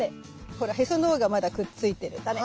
ほらへその緒がまだくっついてるタネ。